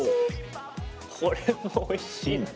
これもおいしいな。